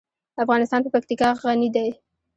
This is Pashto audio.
افغانستان په پکتیکا غني دی.